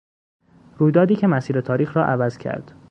رویدادی که مسیر تاریخ را عوض کرد